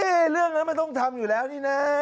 เรื่องนั้นมันต้องทำอยู่แล้วนี่นะ